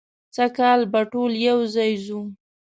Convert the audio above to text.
سږ کال به ټول یو ځای ځو.